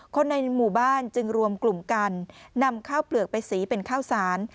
คนในหมู่บ้านจึงรวมกลุ่มกันนำข้าวเปลือกไปสีเป็นข้าวสาร